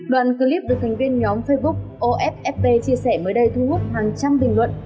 đoạn clip được thành viên nhóm facebook offp chia sẻ mới đây thu hút hàng trăm bình luận